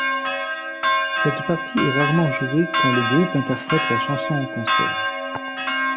Cette partie est rarement jouée quand le groupe interprète la chanson en concert.